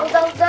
oh yang urus